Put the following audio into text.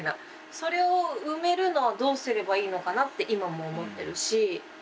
それを埋めるのをどうすればいいのかなって今も思ってるし。